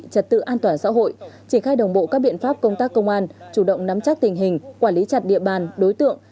trật tự an toàn xã hội triển khai đồng bộ các biện pháp công tác công an chủ động nắm chắc tình hình quản lý chặt địa bàn đối tượng